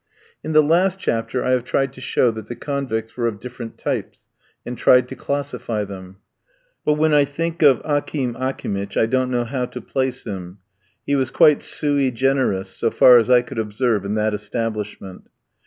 In the last chapter I have tried to show that the convicts were of different types, and tried to classify them; but when I think of Akim Akimitch I don't know how to place him, he was quite sui generis, so far as I could observe, in that establishment.